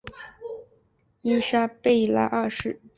伊莎贝拉二世。